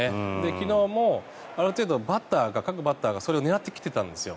昨日もある程度各バッターがそれを狙ってきていたんです。